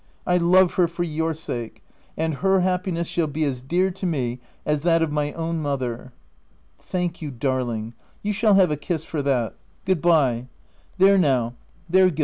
I love her for your sake, and her happiness shall be as dear to me as that of my own mother." " Thank you, darling \ you shall have a kiss for that. Good bye. There now — there Gil vol. in.